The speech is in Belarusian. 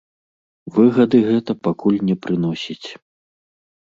Выгады гэта пакуль не прыносіць.